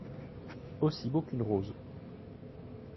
Aussi beau qu’une rose.